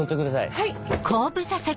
はい。